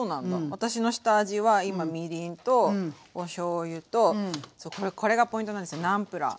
私の下味は今みりんとおしょうゆとこれがポイントなんですよナムプラー。